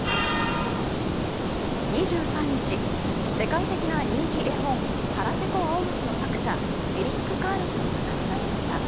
２３日、世界的な人気絵本「はらぺこあおむし」の作者エリック・カールさんが亡くなりました。